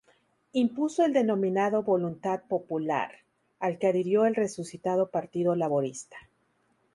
Impuso el denominado "Voluntad Popular", al que adhirió el resucitado Partido Laborista.